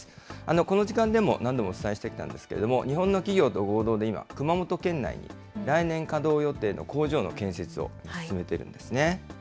この時間でも何度もお伝えしてきたんですけれども、日本の企業と合同で今、熊本県内に来年稼働予定の工場の建設を進めているんですね。